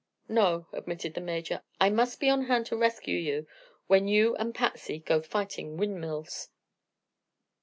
"No," admitted the Major; "I must be on hand to rescue you when you and Patsy go fighting windmills."